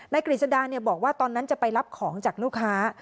กฤษดาบอกว่าตอนนั้นจะไปรับของจากลูกค้า